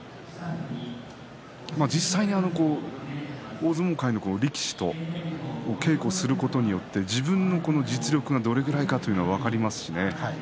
実際に大相撲界の力士と稽古をすることによって自分の実力がどれくらいか分かりますしね。